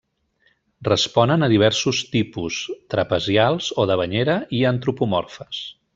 Responen a diversos tipus: trapezials o de banyera i antropomorfes.